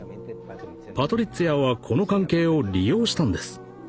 パトリッツィアはこの関係を利用したんです。